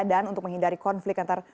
dan untuk menghindari konflik antar